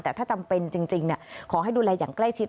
แต่ถ้าจำเป็นจริงขอให้ดูแลอย่างใกล้ชิด